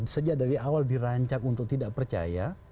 sejak dari awal dirancang untuk tidak percaya